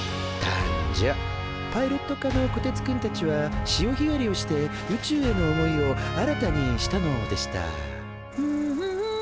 パイロット科のこてつくんたちは潮ひがりをして宇宙への思いを新たにしたのでしたフンフフンフン。